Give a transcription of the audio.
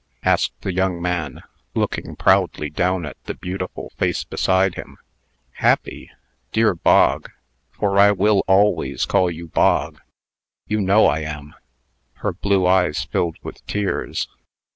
asked the young man, looking proudly down at the beautiful face beside him. "Happy! dear Bog for I will always call you Bog. You know I am!" Her blue eyes filled with tears.